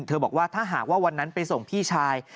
บอกว่าถ้าหากว่าวันนั้นไปส่งพี่ชาย